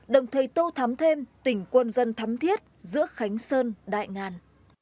đồng thời tô thắm thêm tỉnh quân dân thắm thiết giữa khánh sơn đại ngàn